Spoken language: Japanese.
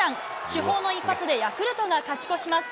主砲の一発で、ヤクルトが勝ち越します。